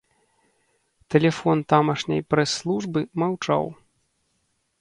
Тэлефон тамашняй прэс-службы маўчаў.